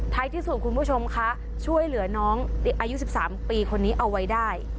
ที่สุดคุณผู้ชมคะช่วยเหลือน้องอายุ๑๓ปีคนนี้เอาไว้ได้